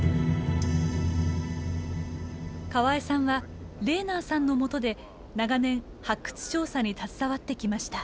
河江さんはレーナーさんのもとで長年発掘調査に携わってきました。